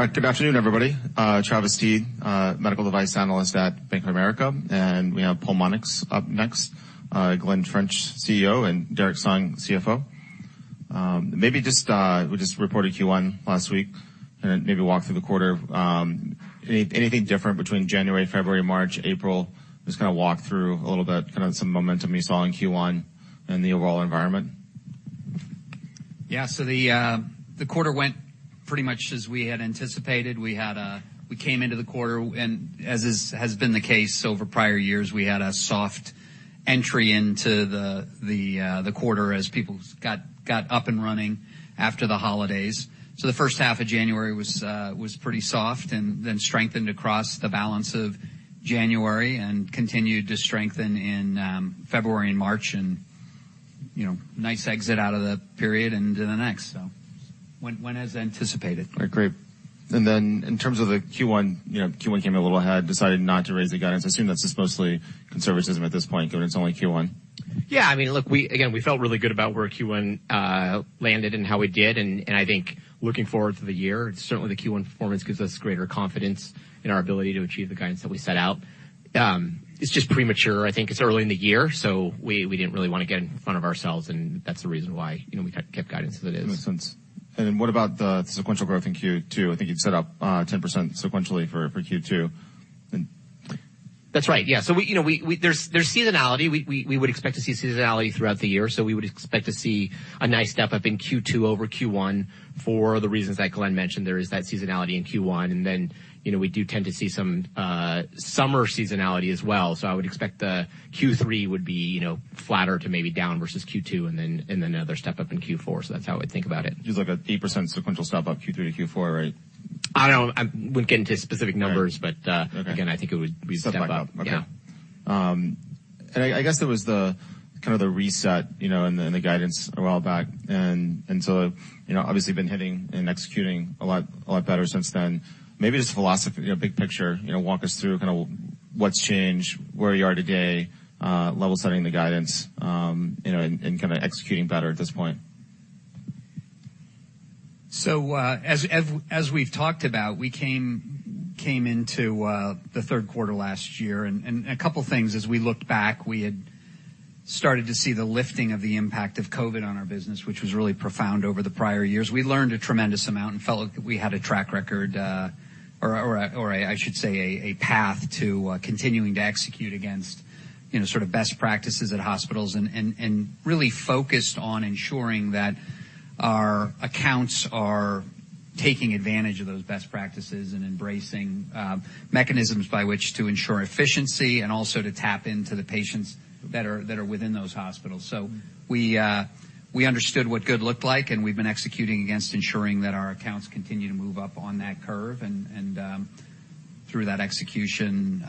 All right. Good afternoon, everybody. Travis Steed, medical device analyst at Bank of America. We have Pulmonx up next. Glen French, CEO, and Derrick Sung, CFO. Maybe just, we just reported Q1 last week. Maybe walk through the quarter. Anything different between January, February, March, April? Just kind of walk through a little bit kind of some momentum we saw in Q1 and the overall environment. The quarter went pretty much as we had anticipated. We came into the quarter and as has been the case over prior years, we had a soft entry into the quarter as people got up and running after the holidays. The H1 of January was pretty soft and then strengthened across the balance of January and continued to strengthen in February and March and, you know, nice exit out of the period into the next. Went as anticipated. All right. Great. In terms of the Q1, you know, Q1 came in a little ahead, decided not to raise the guidance. I assume that's just mostly conservatism at this point, given it's only Q1. Yeah. I mean, look, we again felt really good about where Q1 landed and how we did. I think looking forward to the year, certainly the Q1 performance gives us greater confidence in our ability to achieve the guidance that we set out. It's just premature. I think it's early in the year, we didn't really wanna get in front of ourselves, that's the reason why, you know, we kept guidance as it is. Makes sense. Then what about the sequential growth in Q2? I think you've set up 10% sequentially for Q2. That's right. Yeah. We, you know, there's seasonality. We would expect to see seasonality throughout the year. We would expect to see a nice step-up in Q2 over Q1 for the reasons that Glen mentioned. There is that seasonality in Q1, and then, you know, we do tend to see some summer seasonality as well. I would expect Q3 would be, you know, flatter to maybe down versus Q2 and then another step up in Q4. That's how I'd think about it. Just like an 8% sequential step-up Q3 to Q4, right? I wouldn't get into specific numbers. All right. Okay. Again, I think it would be a step up. Step up. Okay. Yeah. I guess there was the kind of the reset, you know, in the, in the guidance a while back. You know, obviously been hitting and executing a lot better since then. Maybe just philosophy, you know, big picture, you know, walk us through kind of what's changed, where you are today, level setting the guidance, you know, and kinda executing better at this point. As we've talked about, we came into the Q3 last year, and a couple things as we looked back, we had started to see the lifting of the impact of COVID on our business, which was really profound over the prior years. We learned a tremendous amount and felt like we had a track record, or a path to continuing to execute against, you know, sort of best practices at hospitals and really focused on ensuring that our accounts are taking advantage of those best practices and embracing mechanisms by which to ensure efficiency and also to tap into the patients that are within those hospitals. We understood what good looked like, and we've been executing against ensuring that our accounts continue to move up on that curve. You know, through that execution,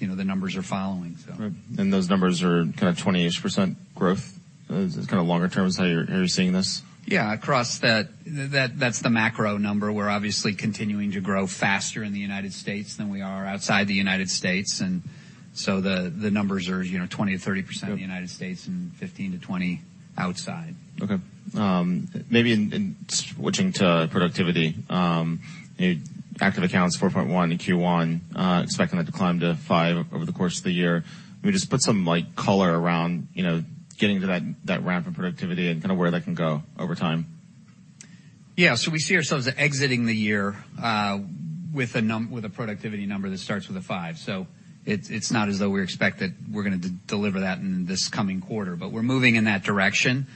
the numbers are following, so. Right. Those numbers are kind of 28% growth. Is kind of longer term is how you're seeing this? Yeah. Across that. That's the macro number. We're obviously continuing to grow faster in the United States than we are outside the United States. The numbers are, you know, 20%-30% in the United States and 15%-20% outside. Okay. Maybe in switching to productivity, active accounts 4.1 in Q1, expecting that to climb to 5 over the course of the year. Can we just put some like color around, you know, getting to that ramp in productivity and kind of where that can go over time? We see ourselves exiting the year with a productivity number that starts with a five. It's not as though we expect that we're gonna de-deliver that in this coming quarter. We're moving in that direction.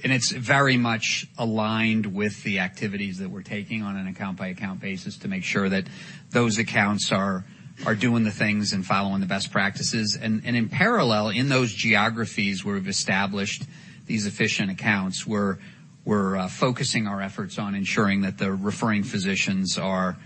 It's very much aligned with the activities that we're taking on an account by account basis to make sure that those accounts are doing the things and following the best practices. In parallel, in those geographies where we've established these efficient accounts, we're focusing our efforts on ensuring that the referring physicians are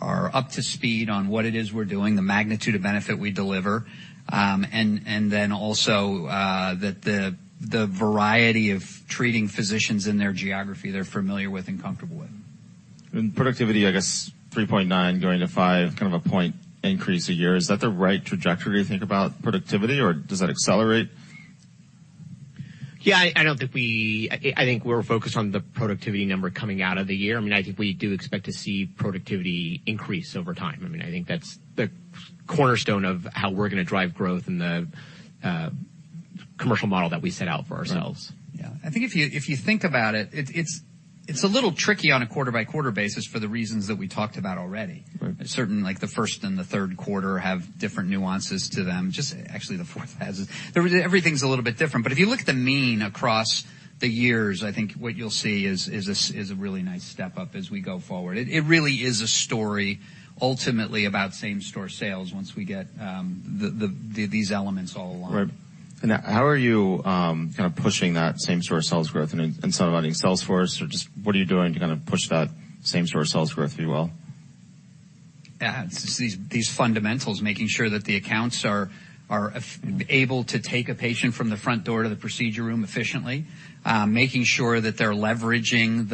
up to speed on what it is we're doing, the magnitude of benefit we deliver. Then also, that the variety of treating physicians in their geography they're familiar with and comfortable with. Productivity, I guess 3.9 going to five, kind of a point increase a year. Is that the right trajectory to think about productivity, or does that accelerate? I think we're focused on the productivity number coming out of the year. I mean, I think we do expect to see productivity increase over time. I mean, I think that's the cornerstone of how we're gonna drive growth in the commercial model that we set out for ourselves. Yeah. I think if you think about it's a little tricky on a quarter-by-quarter basis for the reasons that we talked about already. Right. Certain, like the first and the Q3 have different nuances to them. Just actually the fourth has. Everything's a little bit different. If you look at the mean across the years, I think what you'll see is a really nice step up as we go forward. It really is a story ultimately about same-store sales once we get these elements all along. Right. How are you, kind of pushing that same-store sales growth? Or just what are you doing to kind of push that same-store sales growth, if you will? Yeah. It's just these fundamentals, making sure that the accounts are able to take a patient from the front door to the procedure room efficiently, making sure that they're leveraging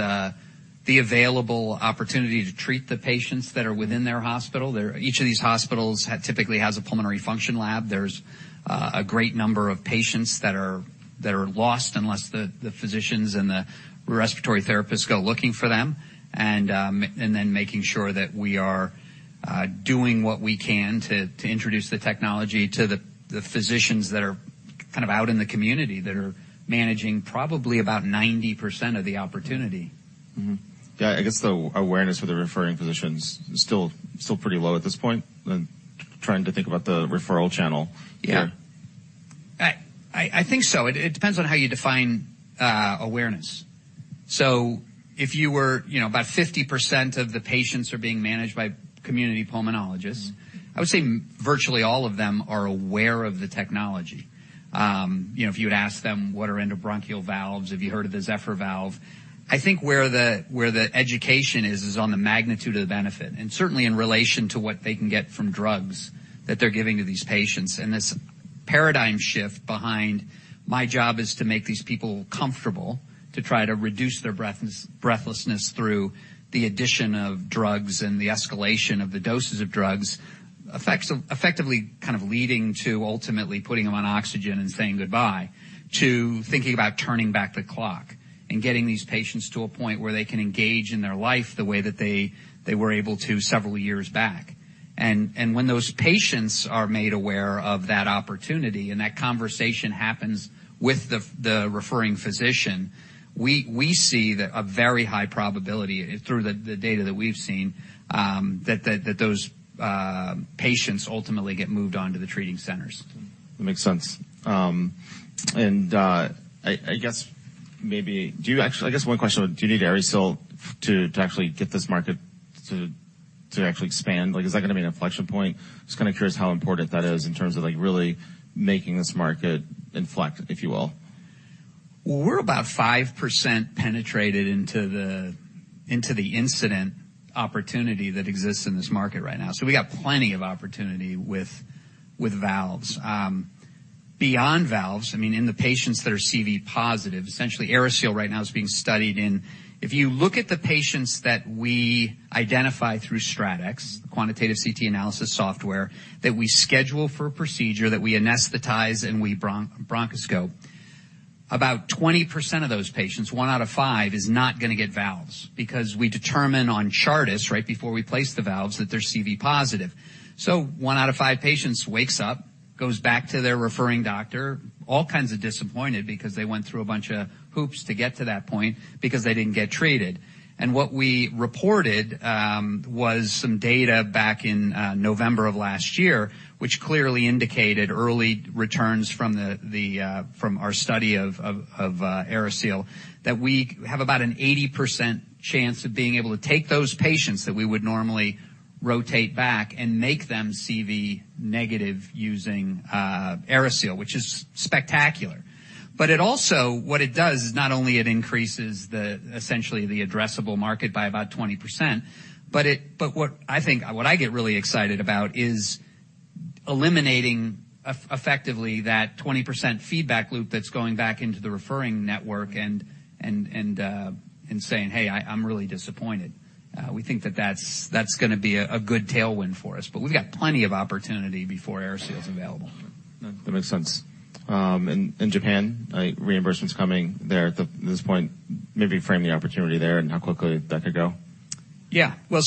the available opportunity to treat the patients that are within their hospital. Each of these hospitals typically has a pulmonary function lab. There's a great number of patients that are lost unless the physicians and the respiratory therapists go looking for them. Then making sure that we are doing what we can to introduce the technology to the physicians that are kind of out in the community, that are managing probably about 90% of the opportunity. Mm-hmm. Yeah, I guess the awareness of the referring physicians is still pretty low at this point. I'm trying to think about the referral channel here. Yeah. I think so. It depends on how you define awareness. If you were, you know, about 50% of the patients are being managed by community pulmonologists. I would say virtually all of them are aware of the technology. You know, if you'd ask them, what are endobronchial valves? Have you heard of the Zephyr valve? I think where the education is on the magnitude of the benefit, and certainly in relation to what they can get from drugs that they're giving to these patients. This paradigm shift behind, my job is to make these people comfortable, to try to reduce their breathlessness through the addition of drugs and the escalation of the doses of drugs, effectively kind of leading to ultimately putting them on oxygen and saying goodbye, to thinking about turning back the clock and getting these patients to a point where they can engage in their life the way that they were able to several years back. When those patients are made aware of that opportunity, and that conversation happens with the referring physician, we see that a very high probability through the data that we've seen, that those patients ultimately get moved on to the treating centers. That makes sense. I guess one question, do you need AeriSeal to actually get this market to actually expand? Like is that gonna be an inflection point? Just kind of curious how important that is in terms of like really making this market inflect, if you will. We're about 5% penetrated into the, into the incident opportunity that exists in this market right now. We got plenty of opportunity with valves. Beyond valves, I mean, in the patients that are CV-positive, essentially AeriSeal right now is being studied in. If you look at the patients that we identify through StratX, the quantitative CT analysis software that we schedule for a procedure that we anesthetize and we bronchoscope, about 20% of those patients, one out of five is not gonna get valves because we determine on Chartis right before we place the valves that they're CV-positive. One out of five patients wakes up, goes back to their referring doctor, all kinds of disappointed because they went through a bunch of hoops to get to that point because they didn't get treated. What we reported was some data back in November of last year, which clearly indicated early returns from the from our study of AeriSeal, that we have about an 80% chance of being able to take those patients that we would normally rotate back and make them CV negative using AeriSeal, which is spectacular. What it does is not only it increases the, essentially the addressable market by about 20%, but what I get really excited about is eliminating effectively that 20% feedback loop that's going back into the referring network and saying, "Hey, I'm really disappointed." We think that that's gonna be a good tailwind for us. We've got plenty of opportunity before AeriSeal's available. That makes sense. In Japan, reimbursement's coming there at this point, maybe frame the opportunity there and how quickly that could go? Yeah. Well,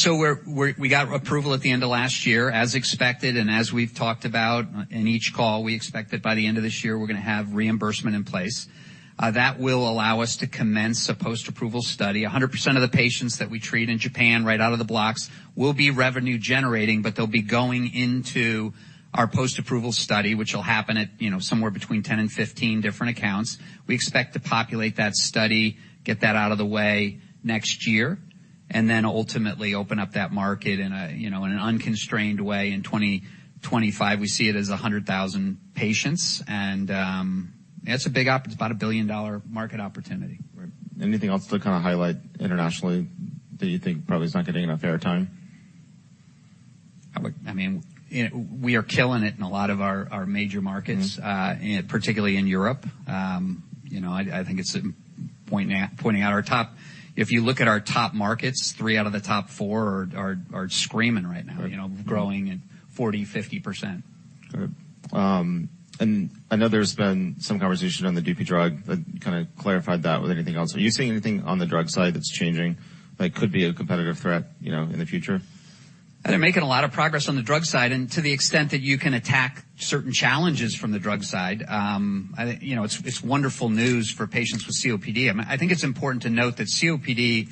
we got approval at the end of last year, as expected. As we've talked about in each call, we expect that by the end of this year, we're gonna have reimbursement in place. That will allow us to commence a post-approval study. 100% of the patients that we treat in Japan right out of the blocks will be revenue generating, but they'll be going into our post-approval study, which will happen at, you know, somewhere between 10 and 15 different accounts. We expect to populate that study, get that out of the way next year, and then ultimately open up that market in a, you know, in an unconstrained way in 2025. We see it as 100,000 patients. It's about a billion-dollar market opportunity. Right. Anything else to kind of highlight internationally that you think probably is not getting enough airtime? I mean, you know, we are killing it in a lot of our major markets, and particularly in Europe. You know, I think it's pointing out our top... If you look at our top markets, three out of the top four are screaming right now, you know, growing at 40%, 50%. Sure. I know there's been some conversation on the DP drug, but kind of clarified that with anything else. Are you seeing anything on the drug side that's changing that could be a competitive threat, you know, in the future? They're making a lot of progress on the drug side. To the extent that you can attack certain challenges from the drug side, I think, you know, it's wonderful news for patients with COPD. I mean, I think it's important to note that COPD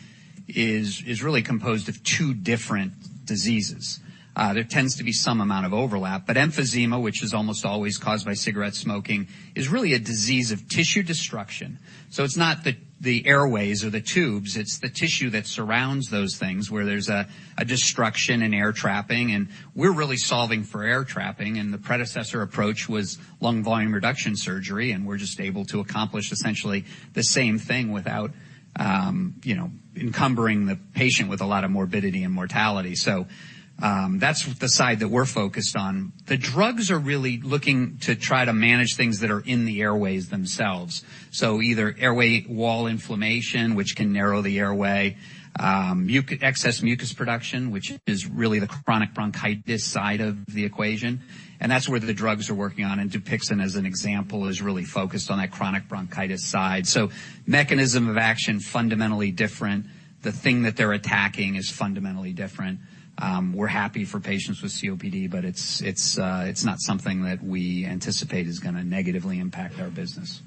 is really composed of two different diseases. There tends to be some amount of overlap. Emphysema, which is almost always caused by cigarette smoking, is really a disease of tissue destruction. It's not the airways or the tubes, it's the tissue that surrounds those things where there's a destruction and air trapping. We're really solving for air trapping. The predecessor approach was lung volume reduction surgery. We're just able to accomplish essentially the same thing without, you know, encumbering the patient with a lot of morbidity and mortality. That's the side that we're focused on. The drugs are really looking to try to manage things that are in the airways themselves. Either airway wall inflammation, which can narrow the airway, excess mucus production, which is really the chronic bronchitis side of the equation, that's where the drugs are working on. Dupixent, as an example, is really focused on that chronic bronchitis side. Mechanism of action, fundamentally different. The thing that they're attacking is fundamentally different. We're happy for patients with COPD, but it's not something that we anticipate is gonna negatively impact our business.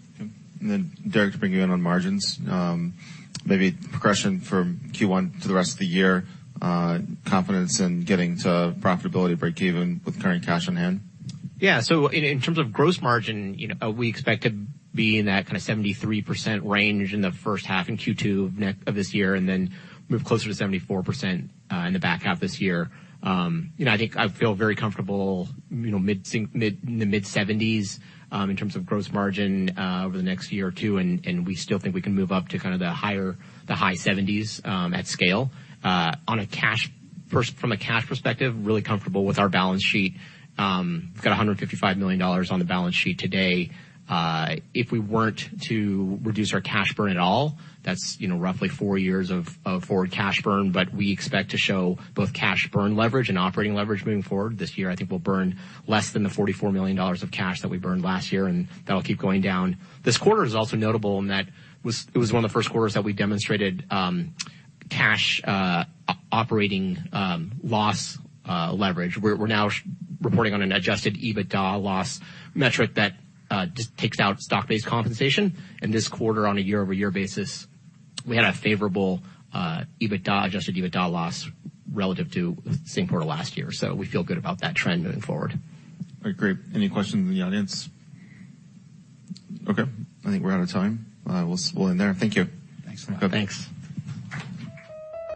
Derrick, to bring you in on margins, maybe progression from Q1 to the rest of the year, confidence in getting to profitability breakeven with current cash on hand. Yeah. In terms of gross margin, you know, we expect to be in that kinda 73% range in the H1 in Q2 of this year, and then move closer to 74% in the back half this year. You know, I think I feel very comfortable, you know, mid, in the mid-seventies in terms of gross margin over the next year or two, and we still think we can move up to kind of the higher, the high seventies at scale. On a cash from a cash perspective, really comfortable with our balance sheet. We've got $155 million on the balance sheet today. if we weren't to reduce our cash burn at all, that's, you know, roughly four years of forward cash burn. We expect to show both cash burn leverage and operating leverage moving forward this year. I think we'll burn less than $44 million of cash that we burned last year, and that'll keep going down. This quarter is also notable in that it was one of the first quarters that we demonstrated cash operating loss leverage. We're now reporting on an adjusted EBITDA loss metric that just takes out stock-based compensation. This quarter on a year-over-year basis, we had a favorable adjusted EBITDA loss relative to same quarter last year. We feel good about that trend moving forward. All right. Great. Any questions in the audience? Okay, I think we're out of time. We'll end there. Thank you. Thanks very much. Thanks.